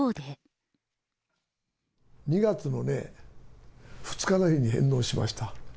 ２月のね、２日の日に返納しました。